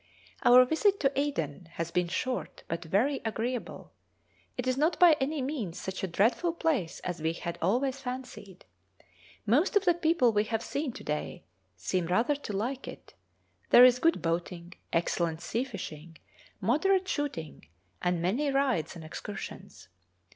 Our visit to Aden has been short but very agreeable; it is not by any means such a dreadful place as we had always fancied. Most of the people we have seen to day seem rather to like it; there is good boating, excellent sea fishing, moderate shooting, and many rides and excursions.